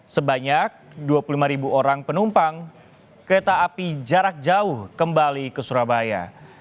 sebanyak dua puluh lima orang penumpang kereta api jarak jauh kembali ke surabaya